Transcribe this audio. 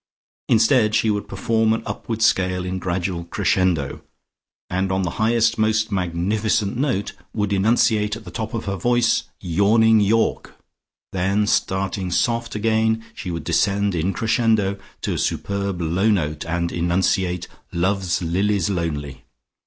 Instead she would perform an upwards scale in gradual crescendo, and on the highest most magnificent note would enunciate at the top of her voice, "Yawning York!" Then starting soft again she would descend in crescendo to a superb low note and enunciate "Love's Lilies Lonely."